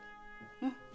うん